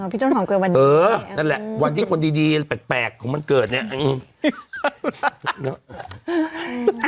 พี่ต้นหอมเกิดวันนี้เออนั่นแหละวันที่คนดีอะไรแปลกของมันเกิดเนี่ย